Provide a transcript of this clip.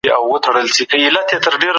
فزيکي ځواک د سياست عملي بڼه نه ده.